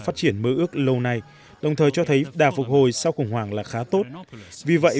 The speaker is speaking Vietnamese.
phát triển mơ ước lâu nay đồng thời cho thấy đà phục hồi sau khủng hoảng là khá tốt vì vậy